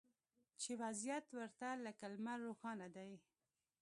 چې وضعیت ورته لکه لمر روښانه دی